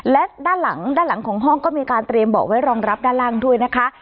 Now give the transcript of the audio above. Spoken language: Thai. และด้านหลังด้านหลังของห้องก็มีการเตรียมเบาะไว้รองรับด้านล่างด้วยนะคะ